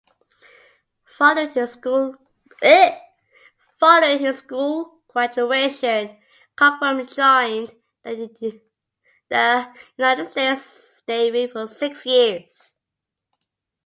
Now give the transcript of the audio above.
Following his school graduation, Cockrum joined the United States Navy for six years.